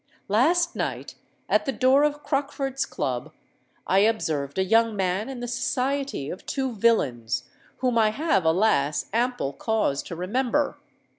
Last night, at the door of Crockford's Club, I observed a young man in the society of two villains, whom I have, alas! ample cause to remember.